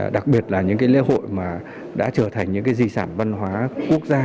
đặc biệt là những lễ hội đã trở thành những di sản văn hóa quốc gia